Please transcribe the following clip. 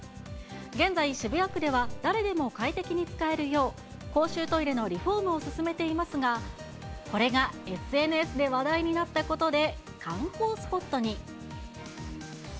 現在、渋谷区では誰でも快適に使えるよう、公衆トイレのリフォームを進めていますが、これがＳＮＳで話題になったことで、観光スポットに。